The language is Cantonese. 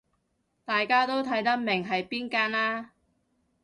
大家都睇得明係邊間啦